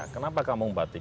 kenapa kampung batik